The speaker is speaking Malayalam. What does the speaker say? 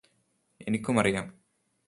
എനിക്കുമറിയാം